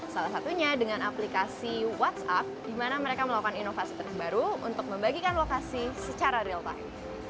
salah satunya dengan aplikasi whatsapp di mana mereka melakukan inovasi terbaru untuk membagikan lokasi secara real time